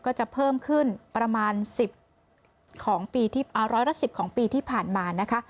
ก็จะเพิ่มขึ้นประมาณสิบของปีที่อ่าร้อยละสิบของปีที่ผ่านมานะคะ